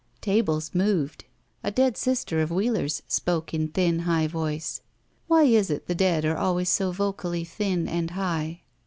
Tables moved. A dead sister of Wheeler's spoke in thin, high voice. Why is it the dead are always so vocally thin and high?